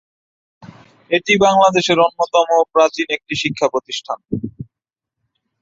এটি বাংলাদেশের অন্যতম প্রাচীন একটি শিক্ষাপ্রতিষ্ঠান।